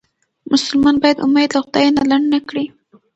مسلمان باید امید له خدای نه لنډ نه کړي.